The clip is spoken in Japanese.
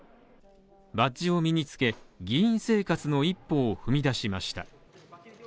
バッジを身につけ、議員生活の一歩を踏み出しました。